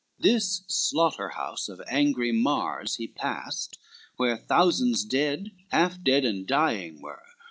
XLIX This slaughter house of angry Mars he passed, Where thousands dead, half dead, and dying were.